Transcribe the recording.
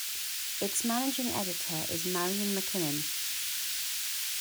Its managing editor is Marion MacKinnon.